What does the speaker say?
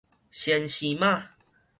先生媽